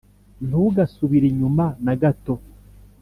ntugasubire inyuma na gato